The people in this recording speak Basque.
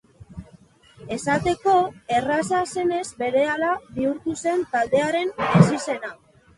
Esateko erraza zenez berehala bihurtu zen taldearen ezizena.